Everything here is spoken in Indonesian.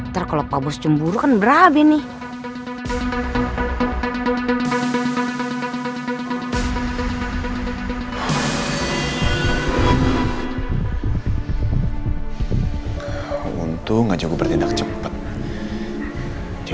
sampai jumpa di video selanjutnya